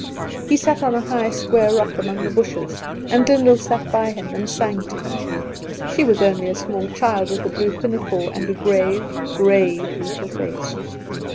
He sat on a high square rock among the bushes, and Lyndall sat by him and sang to him. She was only a small child, with a blue pinafore, and a grave, grave, little face.